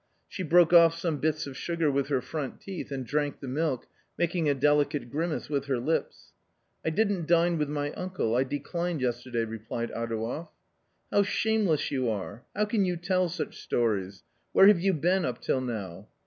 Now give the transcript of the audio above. She broke off some bits of sugar with her front teeth and drank the milk, making a delicate grimace with her lips. " I didn't dine with my uncle ; I declined yesterday," replied Adouev. " How shameless you are ! How can you tell such stories ? Where have you been up till now?"